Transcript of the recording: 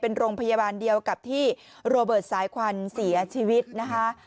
เป็นโรงพยาบาลเดียวกับที่โรเบิร์ตสายควันเสียชีวิตนะคะ